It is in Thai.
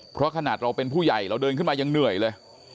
เพราะขนาดเราเป็นผู้ใหญ่เราเดินขึ้นมายังเหนื่อยเลย